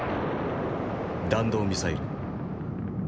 弾道ミサイル。